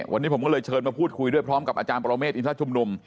วันนี้ผมก็เลยเชิญมาพูดคุยด้วยพร้อมกับอาจารย์ปรเมฆอินทรชุมนุม